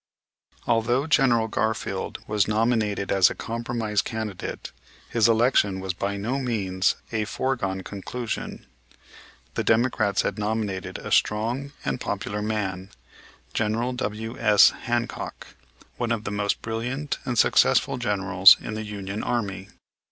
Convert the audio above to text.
Although General Garfield was nominated as a compromise candidate his election was by no means a foregone conclusion. The Democrats had nominated a strong and popular man, General W.S. Hancock, one of the most brilliant and successful generals in the Union Army.